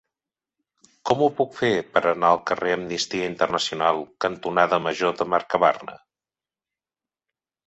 Com ho puc fer per anar al carrer Amnistia Internacional cantonada Major de Mercabarna?